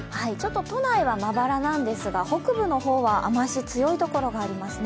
都内はまばらなんですが、北部の方は雨足が強いところがありますね。